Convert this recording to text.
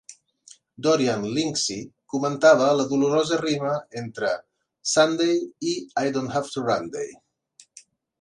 Dorian Lynskey comentava la dolorosa rima entre "Sunday" i "I-don't-have-to-run-day".